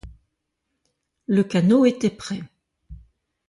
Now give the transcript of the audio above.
Le canot était prêt.